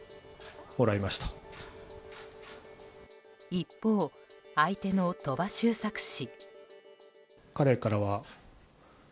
一方、相手の鳥羽周作氏。